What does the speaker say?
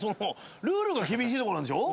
ルールが厳しいとこなんでしょ？